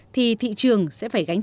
thì thị trường sẽ phải gánh chất